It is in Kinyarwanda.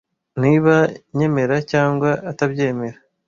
Niba yemera cyangwa atabyemera.